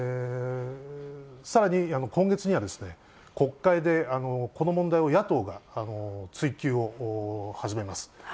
さらに、今月には、国会でこの問題を野党が追及を始めます。